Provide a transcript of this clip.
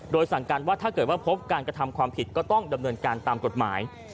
โดยสั่งการว่าถ้าเกิดว่าพบการกระทำความผิดก็ต้องดำเนินการตามกฎหมาย